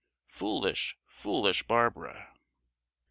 Foolish, foolish Barbara!